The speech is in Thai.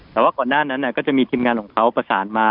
แต่ว่าก่อนหน้านั้นก็จะมีทีมงานของเขาประสานมา